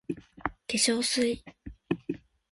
化粧水 ｓ